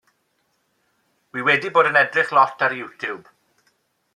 Wi wedi bod yn edrych lot ar Youtube.